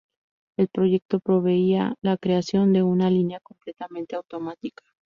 El proyecto preveía la creación de una línea completamente automática.